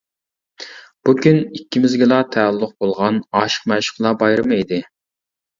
بۇ كۈن ئىككىمىزگىلا تەئەللۇق بولغان «ئاشىق-مەشۇقلار بايرىمى» ئىدى.